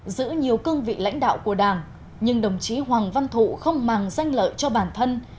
giữ nhiều cương vị lãnh đạo của đảng nhưng đồng chí hoàng văn thụ không màng danh lợi cho bản thân